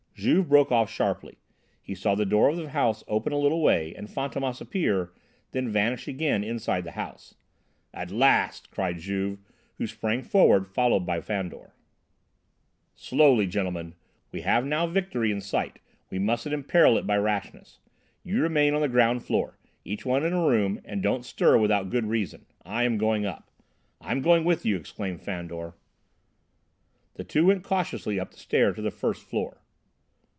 Juve broke off sharply. He saw the door of the house open a little way and Fantômas appear, then vanish again inside the house. "At last!" cried Juve, who sprang forward, followed by Fandor. "Slowly, gentlemen! We have now victory in sight, we mustn't imperil it by rashness. You remain on the ground floor. Each one in a room, and don't stir without good reason. I am going up." "I am going with you," exclaimed Fandor. The two went cautiously up the stairs to the first floor.